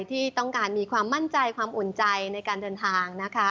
ที่ต้องการมีความมั่นใจความอุ่นใจในการเดินทางนะคะ